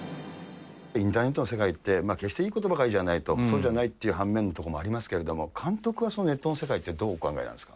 インターネットの世界って、決していいことばかりじゃないと、そうじゃないっていう反面のところもありますけれども、監督はそのネットの世界ってどうお考えなんですか？